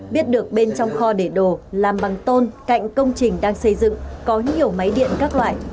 biết được bên trong kho để đồ làm bằng tôn cạnh công trình đang xây dựng có nhiều máy điện các loại